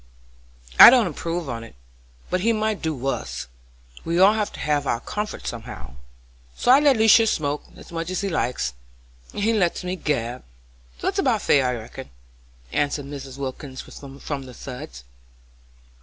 "I don't approve on't, but he might do wuss. We all have to have our comfort somehow, so I let Lisha smoke as much as he likes, and he lets me gab, so it's about fair, I reckon," answered Mrs. Wilkins, from the suds.